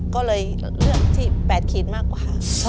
ก็เลยเลือกที่๘ขีดมากกว่า